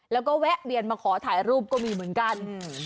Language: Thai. แล้วก็แวะเวียนมาขอถ่ายรูปก็มีเหมือนกัน